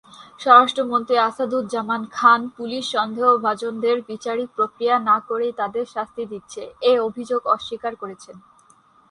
স্বরাষ্ট্রমন্ত্রী আসাদুজ্জামান খান পুলিশ সন্দেহভাজনদের বিচারিক প্রক্রিয়া না করেই তাদের শাস্তি দিচ্ছে- এ অভিযোগ অস্বীকার করেছেন।